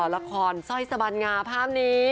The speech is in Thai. ละครสร้อยสบันงาภาพนี้